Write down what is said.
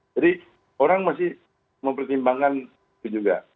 jadi orang masih mau pertimbangkan itu juga